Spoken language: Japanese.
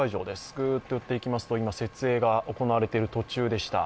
ぐっと寄っていくと今設営が行われている途中でした。